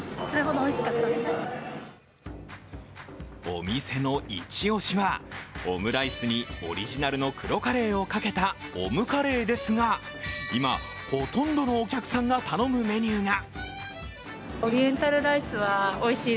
お店の一押しはオムライスにオリジナルの黒カレーをかけたオムカレーですが、今、ほとんどのお客さんが頼むメニューが。